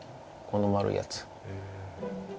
この丸いやつ。